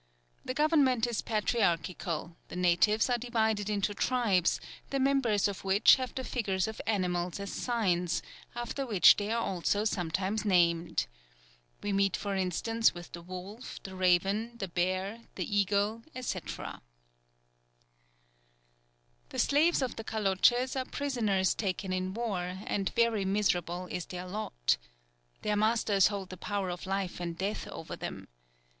The government is patriarchal; the natives are divided into tribes, the members of which have the figures of animals as signs, after which they are also sometimes named. We meet for instance with the wolf, the raven, the bear, the eagle, &c. The slaves of the Kaloches are prisoners taken in war, and very miserable is their lot. Their masters hold the power of life and death over them.